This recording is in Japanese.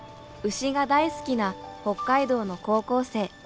牛が大好きな北海道の高校生。